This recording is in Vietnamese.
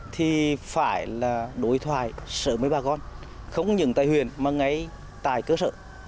thì phải đối thoại sở với bà con không những tài huyền mà ngay tài cơ sở